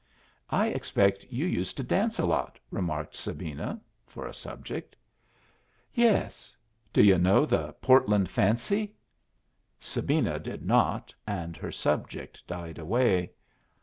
"I expect you used to dance a lot," remarked Sabina, for a subject. "Yes. Do yu' know the Portland Fancy?" Sabina did not, and her subject died away.